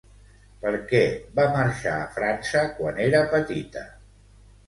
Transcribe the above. Per què va marxar a França quan era petita?